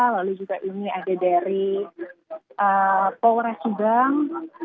lalu juga ini ada dari polres subang